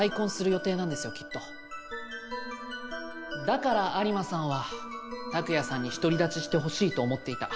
だから有馬さんは拓也さんに独り立ちしてほしいと思っていた。